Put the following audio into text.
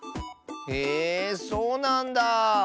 えそうなんだ。